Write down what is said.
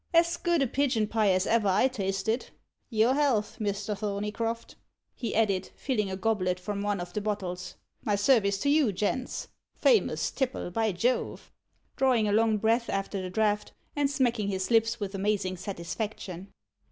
"As good a pigeon pie as ever I tasted. Your health, Mr. Thorneycroft," he added, filling a goblet from one of the bottles. "My service to you, gents. Famous tipple, by Jove!" drawing a long breath after the draught, and smacking his lips with amazing satisfaction.